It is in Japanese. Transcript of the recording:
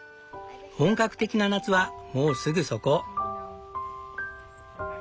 本格的な夏はもうすぐそこ。